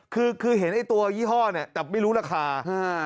คือคือเห็นไอ้ตัวยี่ห้อเนี่ยแต่ไม่รู้ราคาอ่า